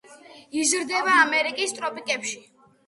იზრდება ამერიკის ტროპიკებში.